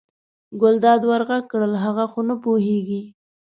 ګلداد ور غږ کړل هغه خو نه پوهېږي.